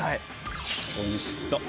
おいしそう。